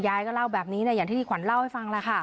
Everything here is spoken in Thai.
ยายก็เล่าแบบนี้อย่างที่พี่ขวัญเล่าให้ฟังแล้วค่ะ